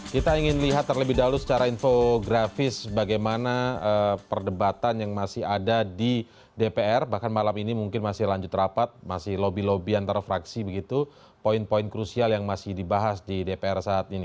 kita ingin lihat terlebih dahulu secara infografis bagaimana perdebatan yang masih ada di dpr